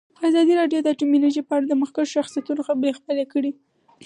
ازادي راډیو د اټومي انرژي په اړه د مخکښو شخصیتونو خبرې خپرې کړي.